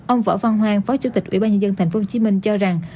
ông võ văn hoàng phó chủ tịch ủy ban nhân dân tp hcm cho rằng